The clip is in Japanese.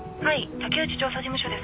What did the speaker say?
竹内調査事務所です。